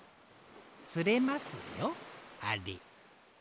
つれますよあれ。